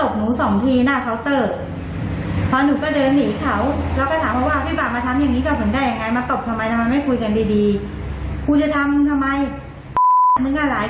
เขาก็ตบหนูสองทีหน้าเคาน์เตอร์